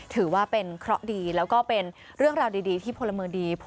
ถือว่าเป็นเคราะห์ดีแล้วก็เป็นเรื่องราวดีที่พลเมืองดี